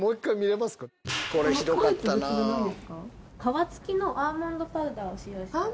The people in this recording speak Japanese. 皮付きのアーモンドパウダーを使用して。